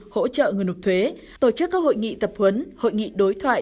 hỗ trợ người nộp thuế tổ chức các hội nghị tập huấn hội nghị đối thoại